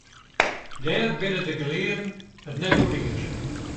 Dêr binne de gelearden it net oer iens.